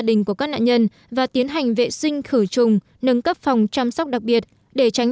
đình của các nạn nhân và tiến hành vệ sinh khử trùng nâng cấp phòng chăm sóc đặc biệt để tránh